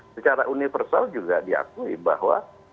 secara universal juga diakui bahwa